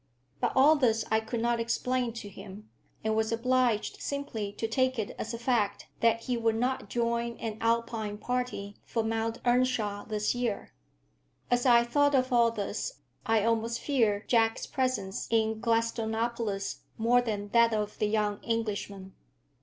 But all this I could not explain to him, and was obliged simply to take it as a fact that he would not join an Alpine party for Mount Earnshawe this year. As I thought of all this, I almost feared Jack's presence in Gladstonopolis more than that of the young Englishmen.